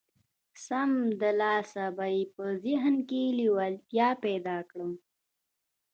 سم له لاسه به يې په ذهن کې لېوالتيا پيدا کړم.